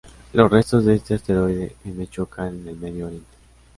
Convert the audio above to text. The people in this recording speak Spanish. Los restos de este Asteroide M chocan en el Medio Oriente.